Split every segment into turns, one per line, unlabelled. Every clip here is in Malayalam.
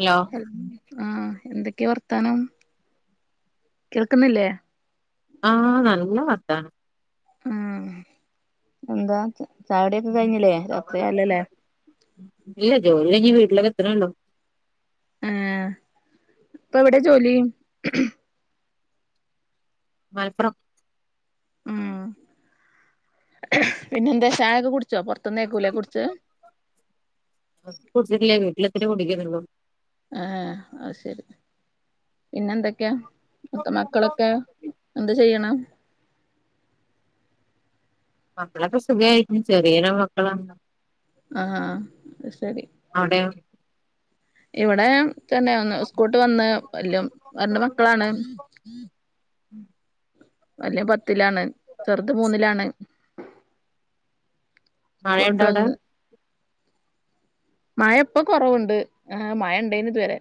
ഹലോ
ആഹ് എന്തെക്കെയാ വർത്താനം കേൾക്കുന്നില്ലേ?
ആഹ് നല്ല വർത്താനം
ഉം എന്താ ചാ ചായുടിയൊക്കെ കഴിഞ്ഞില്ലേ രാത്രിയ അല്ലല്ലേ
ഇല്ല ജോലികഴിഞ് വീട്ടിലേക്കെത്തണെള്ളു
ഏഹേ ഇപ്പെവിടെ ജോലി?
മല്‌പ്പുറം
ഉം പിന്നെന്താ ചായ ഒകെ കുടിച്ചോ പോർതന്ന് ഏക്കും ല്ലേ കുടിച്ചത്
കുടിച്ചില്ല വീട്ടിൽ എത്തീട്ടെ കുടിക്കാത്തൊള്ളൂ
ആഹ് അഹ്ശെരി പിന്നെന്തൊക്കേയാ അവിടുത്തെ മക്കളൊക്കെ എന്താ ചെയ്യണു
മക്കളൊക്കെ സുഖായിരിക്കുന്നു ചെറിയന മക്കളാന്നോ
ആഹ അത് ശരി
അവ്ടെയോ
ഇവിടെ തന്നെ സ്കൂൾ വിട്ട് വന്ന് രണ്ട് മക്കളാണ്
[inaudible]
വല്ല്യയ് പത്തിലാണ് ചെർത് മൂന്നിലാണ്
മഴയുണ്ടോ അവിടെ
സ്കൂള്ട്ട്‌വന്ന്‌ മഴ ഇപ്പൊ കൊറവുണ്ട് മഴ ഇണ്ടേനി ഇതുവരെ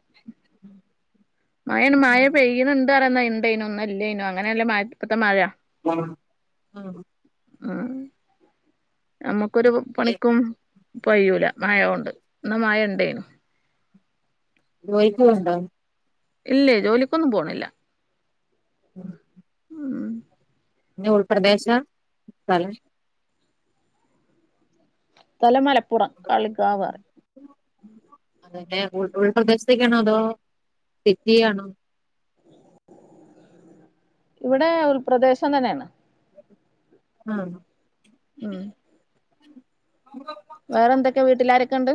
മഴയാണ് മഴ പെയ്യനിണ്ട് പറന്ന ന്നാ ഇ ണ്ടെന്നും ന്നാ ഇല്ലെന്നും അങ്ങനല്ലേ മഴ ഇപ്പൊത്ത മഴ
ആ ആഹ
ആഹ് നമ്മുക്കൊരു പണിക്കും കയ്യൂല മഴകൊണ്ട് എന്നാ മഴ ഉണ്ടെന്നും
ജോലിക് പോവുണ്ടോ
ഇല്ലേ ജോലിക്കൊന്നും പോണില്ല
മ്
ഉം
നീ ഉൾപ്രദേശാ സ്ഥലം
സ്ഥലം മലപ്പുറം കാളികാവഅറയും
അതന്നെ ഉൾപ്രദേശത്തു അഹ്‌ണോ സിറ്റി ആണോ
ഇവിടെ ഉൾപ്രദേശം തന്നെയാണ്
ആഹ്
ഉം വേറെ എന്തെക്കെ വീട്ടിലാരൊക്കെ ഇണ്ട്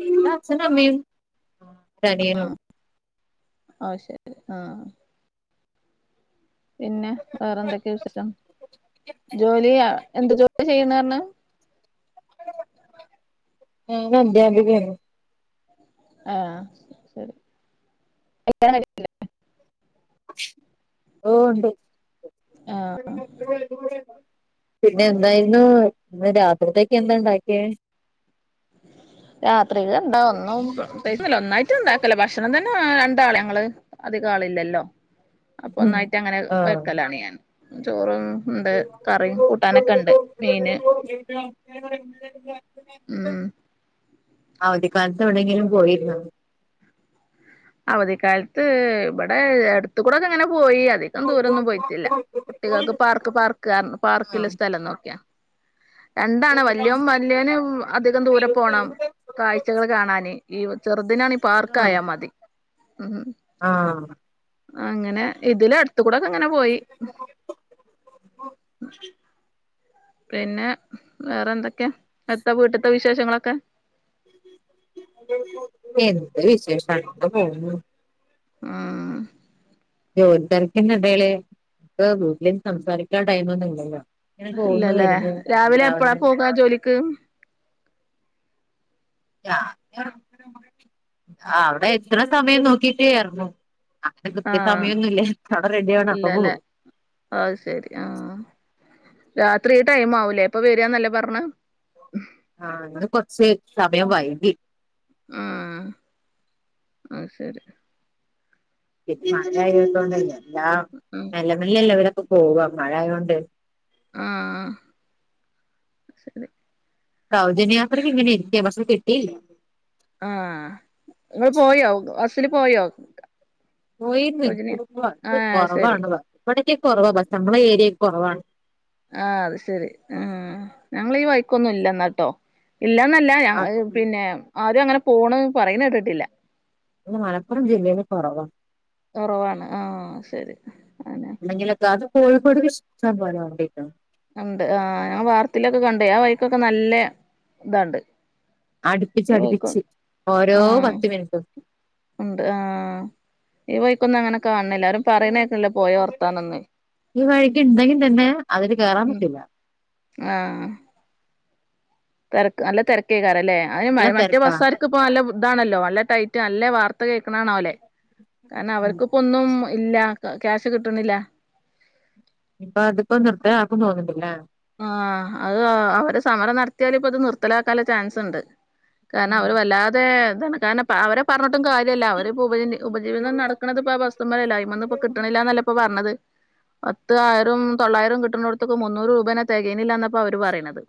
വീട്ടിൽ അച്ഛനു അമ്മയും ഒരു അനിയനുണ്ട്
ആ ശരി ആഹ വേറെന്തൊക്കെയാ
ഉണ്ട്
വിശേഷം ജോലി എന്ത് ജോലിയാ ചെയ്യണേ പറഞ്ഞ്
[unintelligible]
ആഹ് ശരി കല്യാണം കഴിഞ്ഞില്ലേ?
[inaudible] ഓ ഉണ്ട്
ആഹ്
[unintelligible] പിന്നെ എന്തായിരുന്നു ഇന്ന് രാത്രിത്തേക്ക് എന്താ ഉണ്ടാക്കിയേ
രാത്രിക്ക് എന്താ ഒന്നും ഒന്നായിട്ടു ഇണ്ടാക്കല ഭക്ഷണം തന്നെ രണ്ടാൾ ഞങ്ങൾ അതികം ആൾ ഇല്ലല്ലോ അപ്പൊ
ഉം
ഒന്നായിട്ട് അങ്ങനെ
ആഹ്
വെക്കലാണ് ഞാൻ ചോറും ഉണ്ട് കറിയും കൂട്ടാനൊക്കെ ഇണ്ട് മീന്
[unintelligible]
ഉം
ആ അവധിക്കാലത്ത് എവിടെങ്കിലും പോയിരുന്നോ
അവധിക്കാലത്ത് ഇവിടെ അടുത്ത കൂടൊക്കെ ഇങ്ങനെ പോയി അധികം ദൂരൊന്നും പോയിട്ടല്ല കുട്ടികൾക്ക് പാർക്ക് പാർക്ക്‌ പാർക്കിലെ
ആഹ്
സ്ഥലം നോക്കിയ രണ്ടാണ് വല്യം വല്യോന അധികം ദൂരെ പോണം കാഴ്ചകൾ കാണാന് ഈ ചെറുതിനാണ് പാർക്ക ആയാ മതി ഉം
ആഹ് ആഹ്
അങ്ങനെ ഇതിലെ അട്ത്തുകൂടെക്കെങ്ങനെ പോയി പിന്നെ വേറെ എന്തൊക്കെയാഎത്താ വീട്ട്ത്തെ വിശേഷങ്ങളൊക്കെ
[inaudible] എന്ത് വിശേഷാണ് ഇപ്പ പോകുന്ന്
ഉം
ജോലി തെരക്കിന്റെഡെല് ഗ്രൂപ്പിൽ സംസാരിക്ക ടൈമൊന്നും ഇല്ലല്ലോ ഇങ്ങനെ പോകുന്ന് വരുന്നു രാവിലെ ആവന്ന്
എപ്പാ ജോലിക്ക്
ആ അവിടെ എത്ര സമയം നോക്കിട്ടേഎറങ്ങും കൃത്യ
ആഹ്
സമയൊന്നൂല്ലേ അവിടെ റെഡി ആണ് അപ്പ പോകു
ഇല്ലല്ലേ അത് ശെരി ആഹ് രാത്രി ഈ ടൈം ആവൂലേ അപ്പൊ വരാന്നല്ലേ പറഞ്ഞെ
ആഹ് അങ്ങനെ കൊറച്ചേ സമയം വൈകി
ആഹ് ആഹ് ശെരി
പിന്നെ മഴ ആയത് കൊണ്ടല്ലെ എല്ലാ
ഉം
നല്ല നല്ലല്ല അവരക്കെ പോവ മഴ ആയതോണ്ട്
ആഹ് ആഹ് ശെരി
സൗജന്യയാത്രക്ക് ഇങ്ങനെ ഇരിക്ക ബസ് കിട്ടീല്ല
ആഹ് ങ്ങെൾ പോയോ ഹോസ്റ്റലിൽ പോയോ?
പോയിര്ന്ന്
സൗജന്യ
ഇത് ബസ്
ആഹ് ശരി
കൊറവാണ് ഇവിടൊക്ക കൊറവാ ബസ് നമ്മടെ ഏരിയെ കുറവാണ്
ആ അത് ശെരി ഉം ഞങ്ങളീ വൈക്കൊന്നും ഇല്ല എന്നാട്ടോ ഇല്ലന്നല്ല ഞ
അത്
പിന്നെ ആരും അങ്ങനെ പോണേ പറീന്നേകേട്ടിട്ടില്ല
മലപ്പുറം ജില്ലയിൽ കുറവാ
ഉറവാണ് ആഹ് ശെരി അനെ
ഉണ്ടെങ്കിലൊക്കെ അത് കോഴിക്കോട് ഇഷ്ട്ടം പോല വണ്ടിയായ്ക്ക്ണ്
ഉണ്ട് ആഹ് ആ വാർത്തയിലൊക്കെ കണ്ടേ ആ വൈക്കൊക്കെ നല്ല ഇതാണ്ട് ഈ വഴിക്ക്
അടുപ്പിച്ചടുപ്പിച്ച് ഓരോ
ആഹ്
പത്ത് മിനിറ്റും
ഉണ്ട് ആഹ് ഈ വയിക്കൊന്നും അങ്ങനെ കാണ്ന്നില്ല എല്ലാരും പറയുന്നേക്കണില്ല പോയ വർത്താൻന്ന്
ഈ വഴിക്ക് ഉണ്ടെങ്കിൽ തന്നെ അതില് കേറാൻ
ഉം
പറ്റൂല്ല
ആഹ് തെരക്ക് നല്ല തെരക്കേക്കാര അല്ലേ
നല്ല
അതിന് മറ്റ
തിരക്കാ
ബസ്സാർക്ക് ഇപ്പ നല്ല ഇതാണല്ലോ നല്ല ടൈറ്റ് നല്ല വർ കേൾക്കണാണോല്ലെ കാരണം അവർക്കിപ്പ ഒന്നും ഇല്ല ക്യാഷ് കിട്ട്ണ്ല്ല
പ്പൊ അതിപ്പോ തൊട്ടേ ആക്കും തോന്നണ്ടില്ലേ
ആഹ് അത് അവര് സമരം നടത്തിയാല ഇപ്പൊ അത് നിർത്തലാക്കാനുള്ള ചാൻസ് ഉണ്ട് കാരണം അവര് വല്ലാതെ എന്താണ് കാരണം പറഞ്ഞിട്ടും കാര്യമല്ല അവര്പ്പോ ഉപജ ഉപജീവനം നടക്കണത് ഇപ്പോ ആ വസ്സ്മ്മലല്ലെ അയ്മന്ന് ഇപ്പ കിട്ടിണില്ല എന്നല്ല ഇപ്പൊ പറഞ്ഞത് പത്ത് ആയിരം തൊള്ളായിരം കിട്ടുന്നേട്ത്തക്ക് മുന്നൂറ് രൂപേനെ തെകേനില്ലാന്നപ്പോ അവര് പറയുന്നത്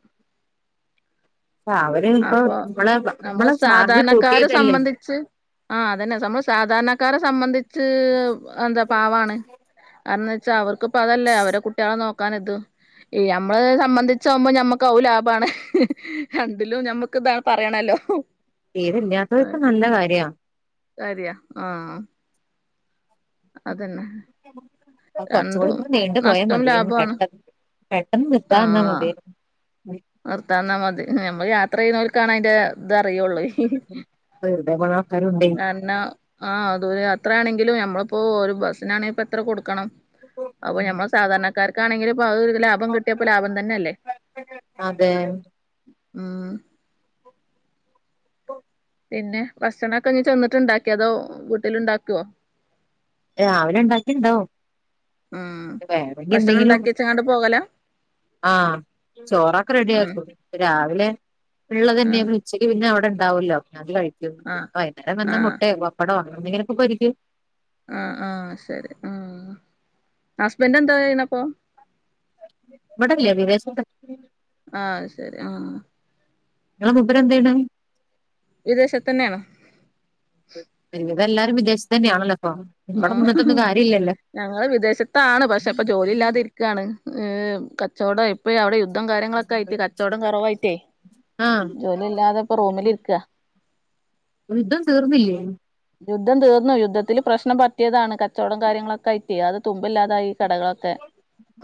അവര് ഇപ്പൊ
അപ്പൊ
നമ്മളെ
നമ്മൾ
നമ്മളെ ചാർജ്
സാധാരണക്കാരെ
കൂട്ടിയതല്ലേ
സംബന്ധിച്ച് ആഹ് അതന്നെ നമ്മള് സാധാരണക്കാരെ സംബന്ധിച്ച് ആ എന്താ പാവാണ് കാരണംന്ന് വെച്ചാ അവർക്ക്പ്പ അതല്ലേ അവരെ കുട്ടികളെ നോക്കാൻ ഇത് ഞമ്മള് സംബന്ധിച്ചാവുമ്പോ ഞമ്മക്കകു ലാഭാണ് രണ്ടിലും ഞമ്മക്ക് ഇതാണ് പറയണല്ലോ
തീരെല്ലാത്തോര്ക്ക് നല്ല കാര്യാ
അറിയാ ആഹ് അതന്നെ
കൊർച്ചുകൂടി
രണ്ടും
നീണ്ടു പോയാൽ
നഷ്ടം
മതിയായ്നു
ലാഭമാണ്
പെട്ടെന്ന് പെട്ടെന്ന് നിർത്താന്നാ
ആഹ്
മതിയാരു
നിർത്താന്നാ മതി ഞമ്മൾ യാത്ര ചെയ്യുന്നോൽക്കാണ് അയിന്റെ ഇതറിയുള്ളേ
വെറുതെ പോണ ആൾക്കാരുണ്ടേ
കാര്ണ ആഹ് അത് അത്ര ആണെങ്കിലും ഞമ്മളിപ്പോ ഒരു ബസ്സിനാണെങ്ക എത്ര കൊടുക്കണം അപ്പ ഞമ്മള് സാധാരണക്കാര്ക്കാണെങ്കില്
അതെ
ഉം
പ്പൊ
പിന്നെ ഭക്ഷണൊക്കെ ഇനി ചെന്നിട്ട്ണ്ടാക്കി അതോ വീട്ടിൽ ഉണ്ടാക്കോ?
രാവിലെണ്ടാക്കീണ്ടാവു
ഉം
എന്തെങ്കിലും
ഭക്ഷണംണ്ടാക്കിവെച്ച്ങ്ങാണ്ട് പോകല?
ആഹ് ചോറക്ക
ഉം
റെഡിയാരിക്കും രാവിലെ ഇള്ളതന്നെ
ആഹ്
അവര് ഉച്ചയ്ക്ക് പിന്നെ അവിടെ ഉണ്ടാവുല്ലോ അത്‌ കഴി
ആഹ്
ഇപ്പ വൈന്നേരം വല്ല
ആഹ്
മുട്ടേ പപ്പടൊ അങ്ങനെന്തെങ്കിലൊക്കെ പൊരിക്ക്
ആഹ് ആഹ് ശരി ആഹ് ഹസ്ബന്റെ എന്താ ചെയ്യണ ഇപ്പൊ?
ഇവിടെല്ലവിദേശത്താ
ആഹ്ശരി ആഹ്
നിങ്ങള മൂപ്പര് എന്ത് ചെയ്യണ്
വിദേശത്ത് തന്നെയാണോ
ഒരു വിധം എല്ലാരും വിദേശത്ത് തന്നെയാണല്ലോ ഇപ്പൊ ഇവിടെ
ആഹ്
നിന്നിട്ടൊന്നും കാര്യല്ലല്ലോ
ഞങ്ങള് വിദേശത്താണ് പക്ഷെ ഇപ്പ ജോലി ഇല്ലാതിരിക്കാണ് ഏഹ് കച്ചൊവടം ഇപ്പയവിടെ യു [unintelligible] കാര്യങ്ങളൊക്കെ ആയിട്ട് കച്ചവടം കൊറവായിട്ടേയ്
ആഹ്
ജോലി ഇല്ലാത്പ്പൊ റൂമിലിരിക്കാ
യുദ്ധം തീർന്നില്ലേ?
യുദ്ധം തീർന്നു യുദ്ധത്തില് പ്രശ്നം പറ്റിയതാണ് കച്ചവടം കാര്യങ്ങളൊക്കെ ആയിട്ടേയ് അത് തുമ്പ് ഇല്ലാതായി കടകളൊക്കെ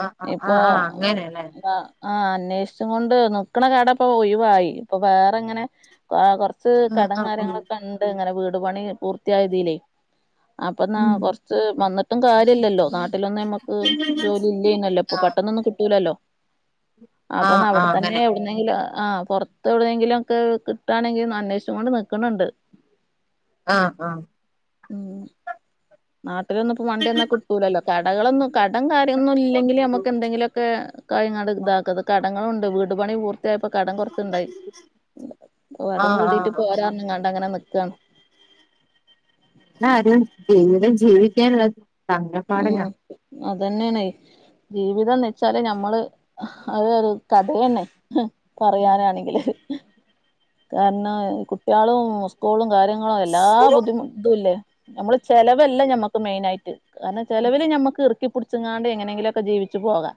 ആഹ് ആഹ്
ഇപ്പോ
ആഹ് ആഹ് അങ്ങനെല്ലേ
വ ആഹ് അന്വേഷിച്ചും കൊണ്ട് നിക്കണ കട ഇപ്പൊ ഒഴിവായി ഇപ്പൊ വേറെങ്ങനെ ആഹ് കൊറ [unintelligible]
ആഹ്
കടം
ആഹ് ആഹ്
കാര്യങ്ങളൊക്കെ ഇണ്ട് അങ്ങനെ വീട്പണി പൂർത്തിയായ ഇതീലേയ് അപ്പെന്നാ
ഉം
കൊറ സ്സ് വന്ന്ട്ടുംകാര്യല്ലല്ലോ നാട്ടിലൊന്നും നമ്മക്ക് ജോലി ഇല്ലെയ്ന്നല്ലപ്പൊ
ആഹ്
പെട്ടന്നൊന്നും കിട്ടൂലല്ലോ ആഹ് അപ്പ അന്ന് അവടെ
ആഹ്
തന്നെ
അങ്ങനെ
പിന്നെങ്കില് ആഹ് പൊറത്ത് എവിടെയെങ്കിലും ഒക്കെ കിട്ടാണെങ്കി അന്വേഷിച്ച് കൊണ്ട് നിക്കണ് ണ്ട്
ആഹ് ആഹ്
മ്ഹ് നാട്ടിലൊന്നുംപ്പൊമണ്ടിയന്നകിട്ടൂലല്ലോ കടകളൊന്നും കടം കാര്യൊന്നുംഇല്ലെങ്കില് നമുക്ക്എന്തെങ്കിലും ക്കെ കാര്യങ്ങള് ഇതാക്കത് കടങ്ങളുണ്ട് വീട് പണി പൂർ [unintelligible] കടം കൊറ്ച്ച് ഇണ്ടായി വടം
ആഹ്
വീടീട്ട്
ആഹ്
പോരാ പറഞ്ഞ്ങ്ങാണ്ട് അങ്ങനെ നിക്കാണ്
എല്ലാരും ജീവിതം ജീവിക്കാനുള്ള തന്ത്രപ്പാടിലാ
അതന്നേണെയ് ജീവിതം എന്ന്ച്ചാല് ഞമ്മള് അതൊരു കഥയേണ് പറയാനാണെങ്കില് കാരണം കുട്ട്യളും സ്കൂളും കാര്യങ്ങളും എല്ലാ ബുദ്ധിമു ഇതുല്ലേ നമ്മള്ചെലവല്ലഞമ്മക്ക്മെയിനായിട്ട് കാരണംചെലവില് ഞമ്മക്ക്ഇർ ക്കിപുട്ച്ച്ങ്ങാണ്ട് എങ്ങനെങ്കിലൊക്കെ ജീവിച്ചുപോകാ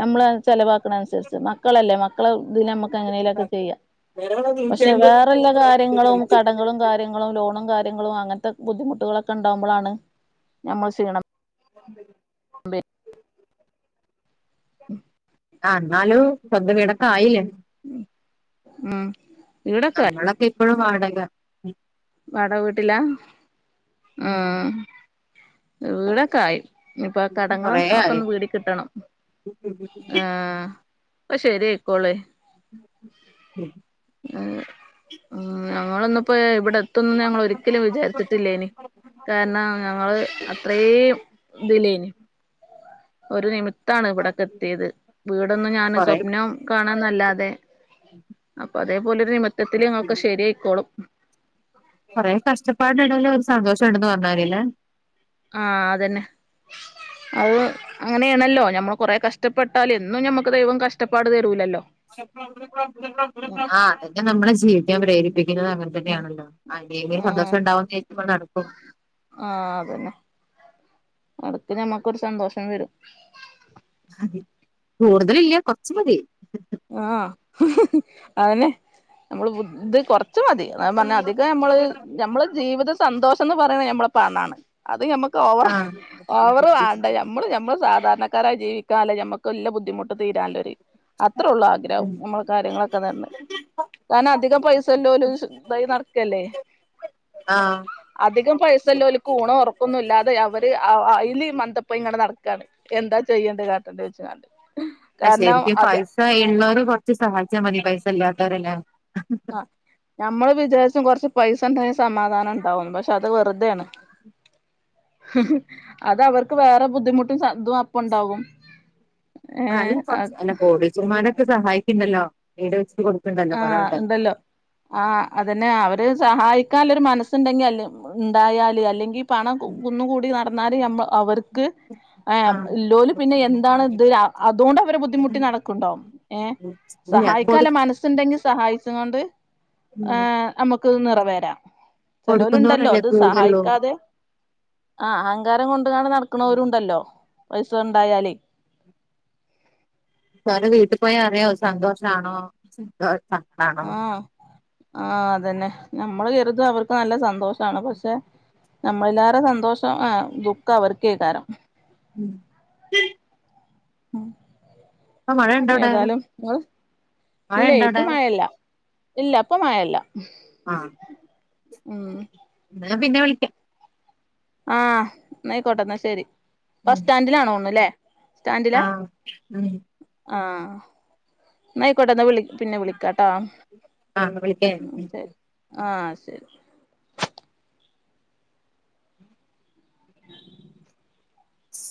നമ്മള് ചെലവാക്കണ അനുസരിച്ച് മക്കളല്ലേ മക്കളെ ഇതിനമ്മക്ക് എങ്ങനെലൊക്കെ ചെയ്യാം പക്ഷെ വേറൊള്ള കാ ര്യങ്ങളും കടങ്ങളുംകാര്യങ്ങളും ലോണുംകാര്യങ്ങളും അങ്ങൻത്തെ ബുദ്ധിമുട്ടുകളൊക്കെഉണ്ടാവുമ്പളാണ് ഞമ്മള് ചെയ്യണം
[inaudible]
[unintelligible] ഉം
ന്നാലും സ്വന്തംവീടക്കെആയില്ലേ
മ്ഹ്
നമ്മളക്കെ ഇപ്പൊഴും വാടക
വാടക വീട്ടിലാ മ്ഹ് വീടൊക്ക ആയി ഇപ്പൊകടങ്ങളും
കൊറേ ആയി
ഒക്കൊന്ന് വീടികിട്ടണം ആഹ് ഇപ്പ ശെരിയിക്കോളെ
[inaudible]
എഹ് ഞങ്ങളിന്നിപ്പ ഇവിടെത്തൂന്നൊന്ന് ഞങ്ങളൊരിക്കിലും വിചാരിച്ചിട്ടില്ലേയ്നി കാരണം ഞങ്ങള് അത്രേം ഇതിലേയ്നി ഒരു നിമിത്താണ് ഇവിടെക്കെത്തിയത് വീടൊന്നും ഞാന്
കൊറേ
സ്വപ്നം കാണാന്നല്ലാതെ അപ്പൊ അതേപോലെരു നിമിത്തത്തില് ഒക്കെ ശരിയയിക്കോളും
കൊറെ കഷ്ടപ്പാട് ന്ടേൽ ഒരു സന്തോഷം ഉണ്ടന്ന് പറഞ്ഞാ മതില്ലേ.
ആഹ് അതന്നെ അത് അങ്ങനെയാണല്ലോ നമ്മൾ കൊറെ കഷ്ടപ്പെട്ടാൽ എന്നും ഞമ്മക്ക് ദൈവം കഷ്ടപ്പാട് തരൂലല്ലോ
ആ അതന്നെ നമ്മളെ ജീവിക്കാൻ പ്രേരിപ്പിക്കുന്നത് അങ്ങനെ
ആഹ്
അങ്ങനെതന്നെണല്ലോ ആർക്കങ്കിലും സന്തോഷം ഉണ്ടാവന്ന് വിച്ചാരിച്ചുമ്പളാണ് നടക്കും
ആഹ അതന്നെ എടക്ക് നമുക്കൊരു സന്തോഷം വരും
കൂടുതലില്ല കൊറച്ചു മതി.
ആ അതന്നെ നമ്മള് ബുധ് കൊ റച്ചു മതി അധികം നമ്മള് നമ്മള് ജീവിത സന്തോഷന്ന് പറയണ നമ്മ പണാണ് അത് നമ്മക്ക് ഓവർ
ആ
ഓവറ് വാണ്ട നമ്മള് നമ്മള് സാധാരണ ഉസാറായി ജീവിക്കാള്ളെ നമ്മക്ക് എല്ല ബുദ്ധിമുട്ട് തിരാള്ളൊരു അത്രേ ഉള്ളൂ ആഗ്രഹം നമ്മളെ കാര്യങ്ങളൊക്കെ നട്ന്ന്. കാരൻ അധികം പൈസല്ലോലും ഇതായി നടക്കല്ലേ
ആഹ്
അധികം പൈസ ഇള്ളോൾക് ഊണും ഒറക്കൊന്നും ഇല്ലാതെ അവര് അ അയില് മന്ദപ്പായിങ്ങാണ്ട് നട എന്താ ചെയ്യേണ്ടത് കാട്ടന്റെ വെച്ച് കാരണം അത്
ഉള്ളവര് കൊറച്ച് സഹായിച്ചാൽ മതി പൈസ ഇല്ലാത്തവരല്ലേ
നമ്മള് വിചാരിച്ചും കുറച്ച് പൈസ ഉണ്ടെങ്കിൽ സമാധാനം ഉണ്ടാവുന്നു പക്ഷെ അത് വെറുതെയാണ് അത് അവർക്ക് വേറെ ബുദ്ധിമുട്ടും സ തും അപ്പ ഉണ്ടാവും.
ആഹ് അല്ല കൊർച്ച് അല്ല കോടീശരമാരൊക്കെ സഹായിക്ക്ണ്ടല്ലോ വീട് വെച്ചി കൊടു
ആഹ് ഉണ്ടല്ലോ ആ അതെന്നെ അവര് സഹായിക്കാളെ ഒരു മനസ്സുണ്ടെങ്കിൽ അല്ല ഉണ്ടായാല് അല്ലെങ്കിൽ പണം കു കുന്നുകൂടി നടന്നാൽ നമ്മ അവർ ക്ക് ഏ
ആഹ്
ഇല്ലോല് പിന്നെ എന്താണ് ഇത് അ അതുകൊണ്ട് അവരെ ബുദ്ധിമുട്ടി നടക്കുണ്ടാവും. ഏ
ഞാ കൊടു
ണ്ടെങ്കി സഹായിച്ച് കൊണ്ട്
ഉം
നമുക്ക് നിറവേരാ ചെലൊൽ ഉണ്ടല്ലോ
കൊടുക്കുന്നോരല്ലേ
ഇത്
കൂടുള്ളൂ
സഹായിക്കാതെ ആഹ് അഹങ്കാരം കൊണ്ട് കാണ്ട് നടക്കണവരുണ്ടല്ലോ പൈസ ഉണ്ടായാല്
ഒരെ വീട്ടിൽ പോയ അറിയാ സന്തോഷാണോ സങ്കടാണോന്ന്
ആഹ് ആഹ് അതന്നെ നമ്മള് കരുതും അവർക്ക് നല്ല സന്തോഷാണ് പക്ഷെ നമ്മളല്ലാരെ സന്തോഷം ആ ദുഃഖം അവർക്കേ കാരം
ഉം
ഉം
ഇപ്പൊ മഴണ്ടോ അവിടെ
ഏതാലും നിങ്ങൾ ഇല്ലേ
മഴണ്ടോ
ഇപ്പ
അവിടെ
മഴല്ല ഇല്ല ഇപ്പ മഴ ഇല്ല.
ആഹ്
ഉം
എന്നാ പിന്നെ വിളിക്കാം.
ആഹ് എന്നാ ആയിക്കോട്ടെ എന്നാ ശരി ബസ് സ്റ്റാൻഡിലാണ് തോന്നുന്ന് ലേ സ്റ്റാന്റ്ലാ
ആഹ് ഉം
ആഹ് എന്നായിക്കോട്ടെ ദ പിന്നെ വിളിക്കാ
ആഹ്
അഹ്
വിളിക്കാം
ശരി ആഹ് ശരി
സ്